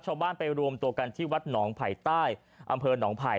ชาวบ้านไปรวมตัวกันที่วัดหนองไผ่ใต้อำเภอหนองไผ่